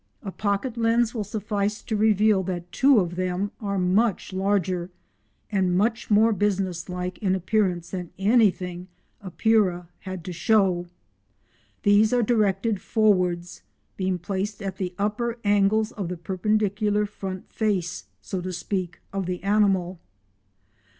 A pocket lens will suffice to reveal that two of them are much larger and much more business like in appearance than anything Epeira had to show. These are directed forwards, being placed at the upper angles of the perpendicular front face, so to speak, of the animal.